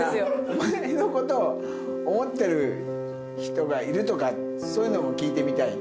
お前の事を思ってる人がいるとかそういうのも聞いてみたい？